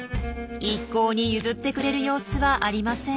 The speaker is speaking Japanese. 一向に譲ってくれる様子はありません。